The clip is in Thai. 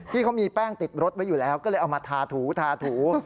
ที่เขามีแป้งติดรถไว้อยู่แล้วก็เลยเอามาทาถูทาถู